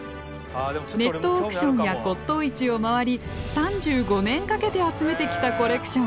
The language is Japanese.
ネットオークションや骨董市を回り３５年かけて集めてきたコレクション。